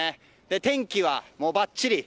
天気はばっちり。